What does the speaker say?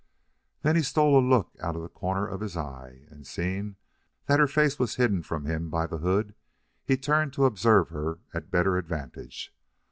Then he stole a look out of the corner of his eye, and, seeing that her face was hidden from him by the hood, he turned to observe her at better advantage.